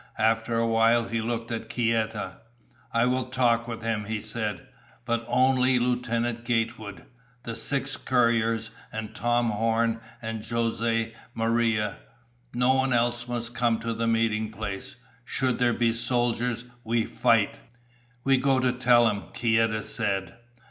After a while, he looked at Kieta. "I will talk with him," he said. "But only Lieutenant Gatewood, the six couriers, and Tom Horn and Jose Maria. No one else must come to the meeting place. Should there be soldiers, we fight." "We go to tell him," Kieta said.